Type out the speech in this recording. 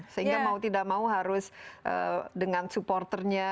sehingga mau tidak mau harus dengan supporternya